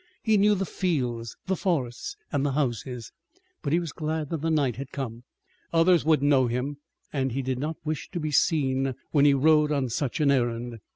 He knew the fields, the forests and the houses. But he was glad that the night had come. Others would know him, and he did not wish to be seen when he rode on such an errand.